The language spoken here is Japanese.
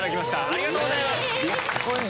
ありがとうございます。